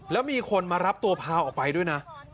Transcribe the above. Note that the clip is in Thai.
แล้วมีคนมารับตัวพาออกไปด้วยนะ